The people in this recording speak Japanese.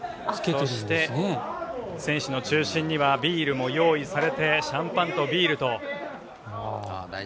そして、選手の中心にはビールも用意されてシャンパンとビールと。